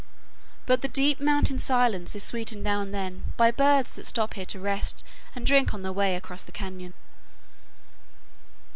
But the deep mountain silence is sweetened now and then by birds that stop here to rest and drink on their way across the cañon.